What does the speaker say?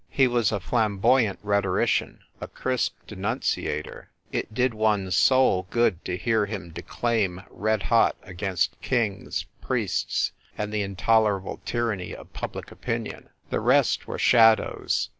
He was a flamboyant rhetorician, a crisp denunciator. It did one's soul good to hear him declaim red hot against kings, priests, and the intolerable tyranny ot public opinion. The rest were shadows.